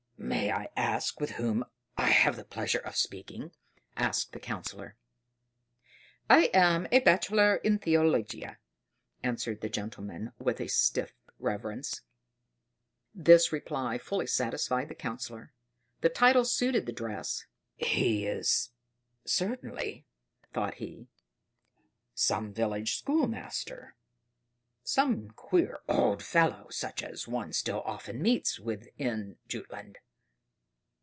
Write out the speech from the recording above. "May I ask with whom I have the pleasure of speaking?" asked the Councillor. "I am a Bachelor in Theologia," answered the gentleman with a stiff reverence. This reply fully satisfied the Councillor; the title suited the dress. "He is certainly," thought he, "some village schoolmaster some queer old fellow, such as one still often meets with in Jutland."